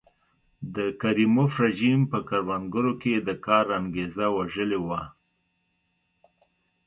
د کریموف رژیم په کروندګرو کې د کار انګېزه وژلې وه.